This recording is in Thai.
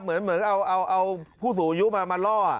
เหมือนเอาผู้สูงอายุมาล่อ